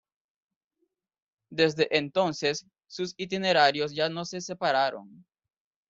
Desde entonces, sus itinerarios ya no se separaron.